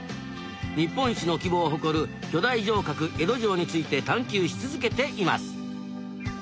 日本一の規模を誇る巨大城郭・江戸城について探求し続けています。